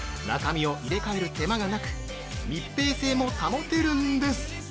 中身を入れ替える手間がなく密閉性も保てるんです。